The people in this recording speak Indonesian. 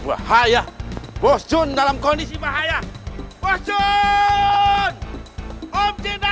bahaya bosun dalam kondisi bahaya bosun om jinnah